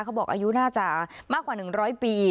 เค้าบอกอายุน่าจะมากกว่าหนึ่งร้อยปี